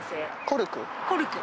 「コルク」